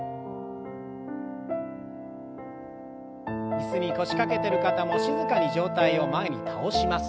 椅子に腰掛けてる方も静かに上体を前に倒します。